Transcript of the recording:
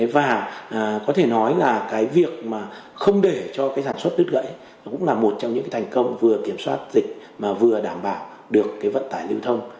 và có thể nói là cái việc mà không để cho cái sản xuất đứt gãy nó cũng là một trong những cái thành công vừa kiểm soát dịch mà vừa đảm bảo được cái vận tải lưu thông